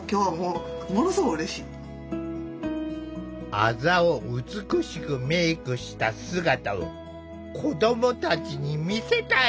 あざを美しくメークした姿を子どもたちに見せたい。